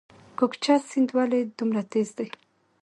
کوکچه سیند ولې دومره تیز دی؟